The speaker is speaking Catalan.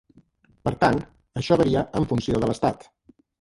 Per tant, això varia en funció de l'estat.